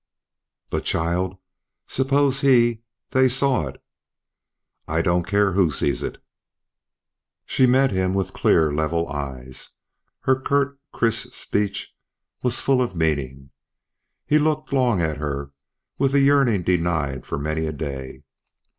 "But, child. Suppose he they saw it?" "I don't care who sees it." She met him with clear, level eyes. Her curt, crisp speech was full of meaning. He looked long at her, with a yearning denied for many a day.